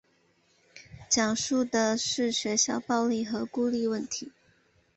讲述的是学校暴力和孤立问题。